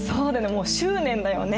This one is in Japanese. もう執念だよね。